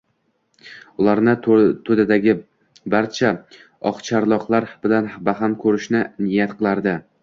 ularni To‘dadagi barcha oqcharloqlar bilan baham ko‘rishni niyat qilardi.